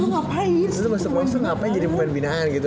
lu tuh masuk masuk ngapain jadi pemain pindahan gitu